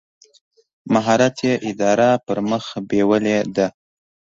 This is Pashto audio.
مهارت یې اداره پر مخ بېولې ده.